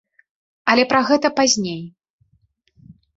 Але пра гэта пазней.